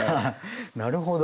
なるほど。